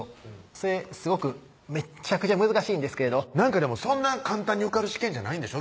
それすごくめっちゃくちゃ難しいんですけどそんな簡単に受かる試験じゃないんでしょ？